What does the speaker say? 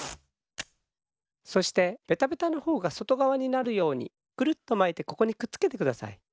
そしてベタベタのほうがそとがわになるようにくるっとまいてここにくっつけてください。